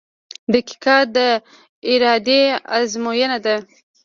• دقیقه د ارادې ازموینه ده.